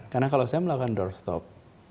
karena kalau saya melakukan doorstop